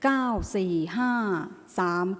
ออกรางวัลที่๖เลขที่๗